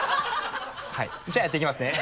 はいじゃあやっていきますね。